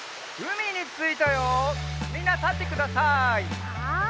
みんなたってください。